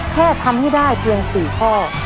แค่ทำให้ได้เพียง๔ข้อ